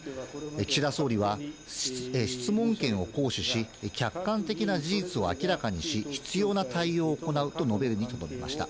岸田総理は、質問権を行使し、客観的な事実を明らかにし、必要な対応を行うと述べるにとどめました。